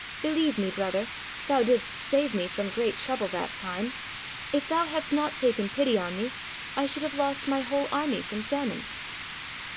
— believe me, brother, thou didst save me from great trouble that time; if thou hadst not taken pity on me, I should have lost my whole army from famine."